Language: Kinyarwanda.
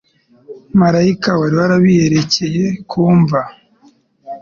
Maraika wari wabiyerekeye ku mva